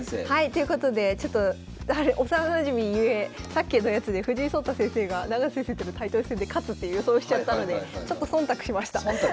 ということでちょっと幼なじみゆえさっきのやつで藤井聡太先生が永瀬先生とのタイトル戦で勝つって予想しちゃったのでちょっと忖度しました。